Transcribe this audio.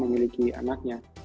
mau memiliki anaknya